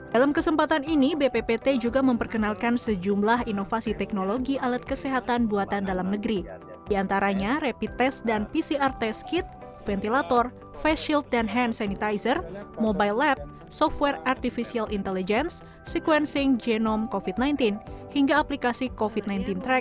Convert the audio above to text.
dalam kesempatan ini bppt juga memperkenalkan sejumlah inovasi teknologi alat kesehatan buatan dalam negeri diantaranya rapid test dan pcr test kit ventilator face shield dan hand sanitizer mobile lab software artificial intelligence sequencing genome covid sembilan belas hingga aplikasi covid sembilan belas